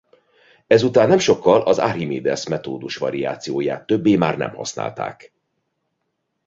Ezután nem sokkal az Arkhimedesz-metódus variációját többé már nem használták.